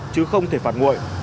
chứ không thể phạt nguội